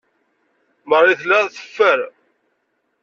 Marie tella teffer.